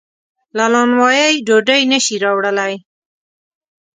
له نانوایۍ ډوډۍ نشي راوړلی.